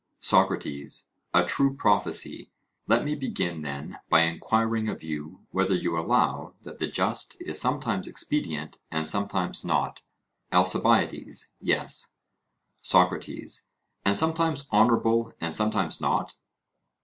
SOCRATES: A true prophecy! Let me begin then by enquiring of you whether you allow that the just is sometimes expedient and sometimes not? ALCIBIADES: Yes. SOCRATES: And sometimes honourable and sometimes not?